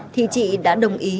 thì chị đã đưa chị sang trung quốc